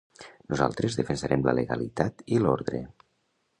Nosaltres defensarem la legalitat i l’ordre.